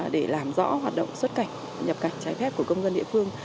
để làm rõ hoạt động xuất cảnh nhập cảnh trái phép của công dân địa phương